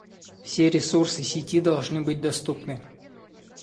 Все ресурсы сети должны быть доступны